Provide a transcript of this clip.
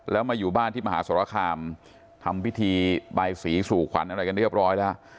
แล้วมาอยู่บ้านที่มหาสรคามทำพิธีใบสีสู่ขวัญอะไรกันเรียบร้อยแล้ว